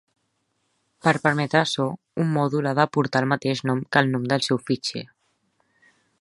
Per permetre açò, un mòdul ha de portar el mateix nom que el nom del seu fitxer.